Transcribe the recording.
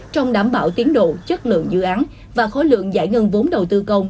trong đảm bảo tiến độ chất lượng dự án và khối lượng giải ngân vốn đầu tư công